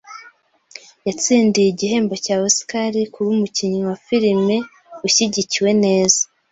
Yatsindiye igihembo cya Oscar kuba umukinnyi wa filime ushyigikiwe neza.